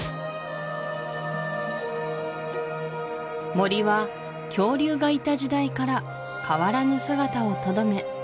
森は恐竜がいた時代から変わらぬ姿をとどめ